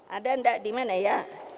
ada tidak di mana ya